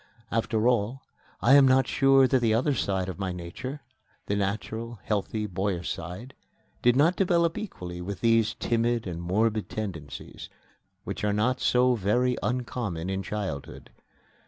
After all, I am not sure that the other side of my nature the natural, healthy, boyish side did not develop equally with these timid and morbid tendencies, which are not so very uncommon in childhood.